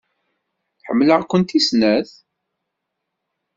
Ḥemmleɣ-kent i snat.